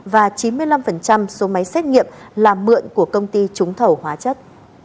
và chín mươi năm số máy xét nghiệm là mượn của công ty trúng thầu hóa chất